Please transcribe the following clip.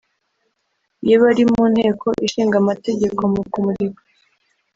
iyo bari munteko ishinga amategeko mu kumurika